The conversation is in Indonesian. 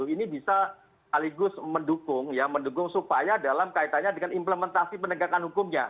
ini bisa aligus mendukung supaya dalam kaitannya dengan implementasi penegakan hukumnya